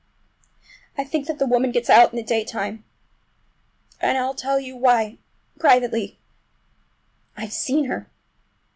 I think that woman gets out in the daytime! And I'll tell you why—privately—I've seen her!